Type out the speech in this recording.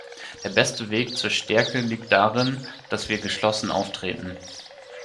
Der beste Weg zur Stärke liegt darin, dass wir geschlossen auftreten.